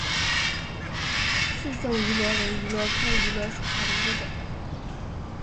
刺绣芋螺为芋螺科芋螺属下的一个种。